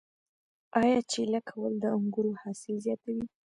آیا چیله کول د انګورو حاصل زیاتوي؟